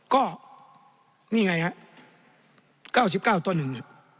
ก็นี่ไงฮะเก้าสิบเก้าตัวหนึ่ง